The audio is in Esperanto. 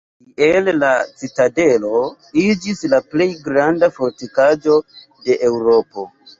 Tiel la citadelo iĝis la plej granda fortikaĵo de Eŭropo.